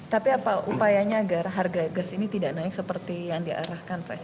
tapi apa upayanya agar harga gas ini tidak naik seperti yang diarahkan presiden